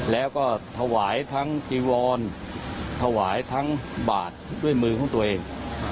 แล้วก็ถวายทั้งจีวรถวายทั้งบาทด้วยมือของตัวเอง